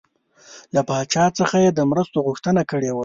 له پاچا څخه یې د مرستو غوښتنه کړې وه.